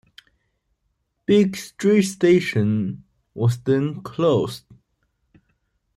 Bridge Street station was then closed.